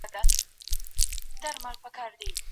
که انلاین زده کړه وي، نو ناسته اوږده وي.